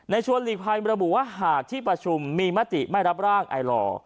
ชวนหลีกภัยมระบุว่าหากที่ประชุมมีมติไม่รับร่างไอลอร์